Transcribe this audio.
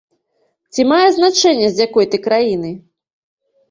Ці мае значэнне, з якой ты краіны?